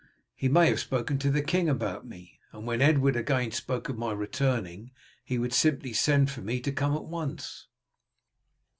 He may have spoken to the king about me, and when Edward again spoke of my returning he would simply send for me to come at once."